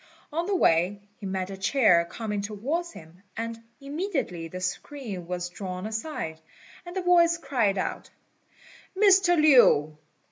On the way, he met a chair coming towards him, and immediately the screen was drawn aside, and a voice cried out, "Mr. Lin!